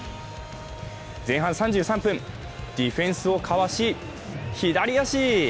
前半３３分、ディフェンスをかわし左足。